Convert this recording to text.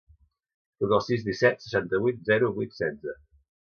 Truca al sis, disset, seixanta-vuit, zero, vuit, setze.